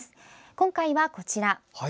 今回はこちら。